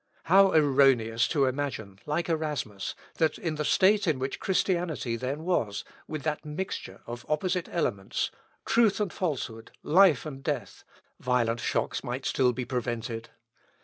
How erroneous to imagine, like Erasmus, that in the state in which Christianity then was, with that mixture of opposite elements, truth and falsehood, life and death, violent shocks might still be prevented!